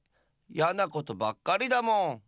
やなことばっかりだもん。